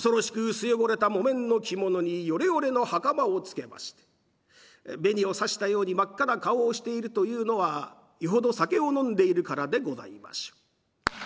薄汚れた木綿の着物によれよれの袴を着けまして紅をさしたように真っ赤な顔をしているというのはよほど酒を飲んでいるからでございましょう。